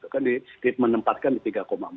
kan menempatkan di tiga empat